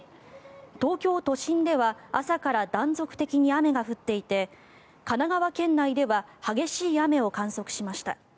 東京都心では朝から断続的に雨が降っていて神奈川県内では激しい雨を観測しました。